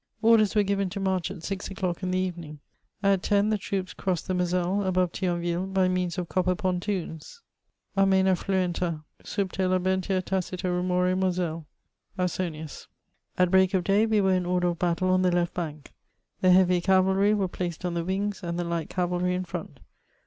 Orders were given to march at six o'clock in the evening; at ten the troops crossed the Moselle, above Thionville, by means of copper pontoons : ''Amoenafluenta Sabter labentis tadto rumore Mosellae." (^AuBonius,') At break of day we were in order of battle on the left bank; the heavy cavalry were placed on the wings, and the light cavalry in front.